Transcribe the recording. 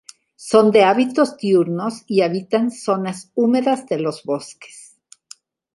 Son de hábitos diurnos y habitan zonas húmedas de los bosques.